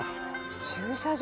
駐車場